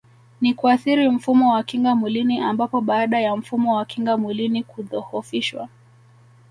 Ni kuathiri mfumo wa kinga mwilini ambapo baada ya mfumo wa kinga mwilini kudhohofishwa